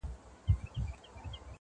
لا معیار د سړیتوب مال و دولت دی,